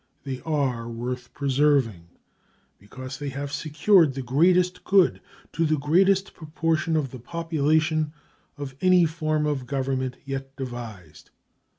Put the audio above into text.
They are worth preserving, because they have secured the greatest good to the greatest proportion of the population of any form of government yet devised.